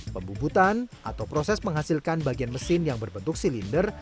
pembubutan atau proses menghasilkan bagian mesin yang berbentuk silinder